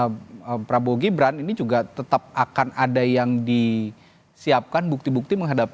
ya bung frits saya juga dengar dari tkn prabowo gibran ini juga tetap akan ada yang disiapkan bukti bukti menghasilkan